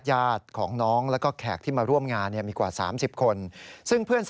ยัดของน้องและแขกที่มาร่วมงานมีกว่า๓๐คน